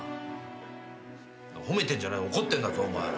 褒めてんじゃない怒ってんだぞお前。